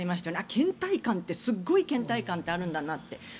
けん怠感ってすっごいけん怠感ってあるんだなって。